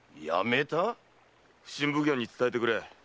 やめた⁉普請奉行に伝えてくれ。